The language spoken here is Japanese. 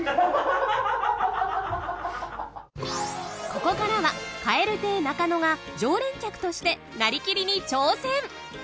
ここからは蛙亭中野が常連客としてなりきりに挑戦